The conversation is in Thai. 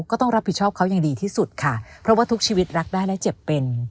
ก็ต้องรับผิดชอบเขาอย่างดีที่สุดค่ะเพราะว่าทุกชีวิตรักได้และเจ็บเป็น